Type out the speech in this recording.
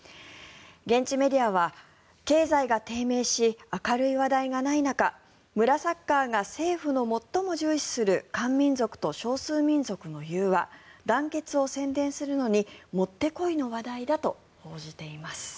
現地メディアは、経済が低迷し明るい話題がない中村サッカーが政府の最も重視する漢民族と少数民族の融和・団結を宣伝するのにもってこいの話題だと報じています。